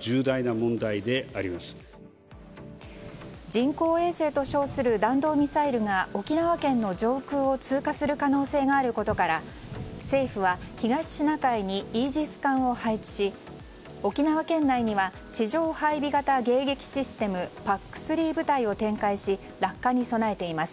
人工衛星と称する弾道ミサイルが沖縄県の上空を通過する可能性があることから政府は東シナ海にイージス艦を配置し沖縄県内には地上配備型迎撃システムＰＡＣ３部隊を展開し落下に備えています。